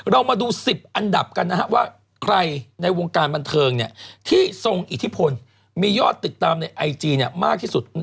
เรามาดู๑๐อันดับกันนะครับว่าใครในวงการบันเทิงเนี่ยที่ทรงอิทธิพลมียอดติดตามในไอจีเนี่ยมากที่สุด